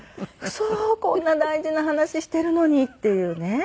こんな大事な話しているのにっていうね。